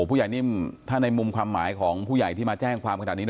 ผู้ใหญ่นิ่มถ้าในมุมความหมายของผู้ใหญ่ที่มาแจ้งความขนาดนี้